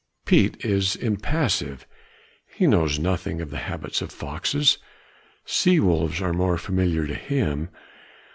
Piet is impassive, he knows nothing of the habits of foxes; sea wolves are more familiar to him.